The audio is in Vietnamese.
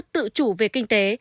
tự chủ về kinh tế